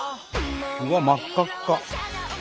うわっ真っ赤っか。